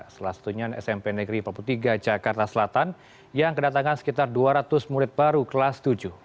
salah satunya smp negeri empat puluh tiga jakarta selatan yang kedatangan sekitar dua ratus murid baru kelas tujuh